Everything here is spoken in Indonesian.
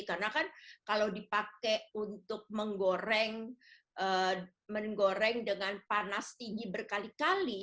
karena kalau dipakai untuk menggoreng dengan panas tinggi berkali kali